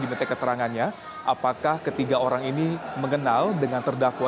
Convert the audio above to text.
dan nanti keterangannya apakah ketiga orang ini mengenal dengan terdakwa